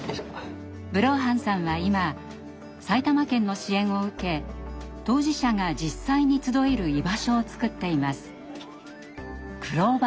ブローハンさんは今埼玉県の支援を受け当事者が実際に集える居場所をつくっています。